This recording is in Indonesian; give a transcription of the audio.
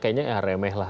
kayaknya ya remeh lah